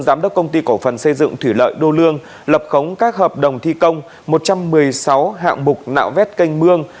giám đốc công ty cổ phần xây dựng thủy lợi đô lương lập khống các hợp đồng thi công một trăm một mươi sáu hạng mục nạo vét canh mương